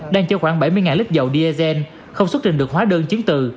đang chở khoảng bảy mươi lít dầu diesel không xuất trình được hóa đơn chứng từ